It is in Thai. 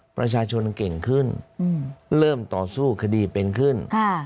ประชาชนเก่งขึ้นเริ่มต่อสู้คดีเป็นขึ้น